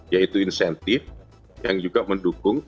yaitu insentif yang juga mendukung